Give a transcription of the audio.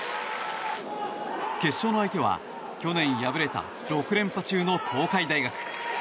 決勝の相手は去年敗れた６連覇中の東海大学。